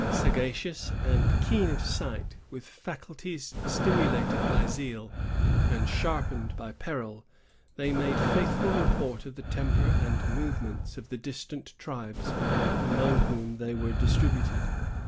Sagacious and keen of sight, with faculties stimulated by zeal and sharpened by peril, they made faithful report of the temper and movements of the distant tribes among whom they were distributed.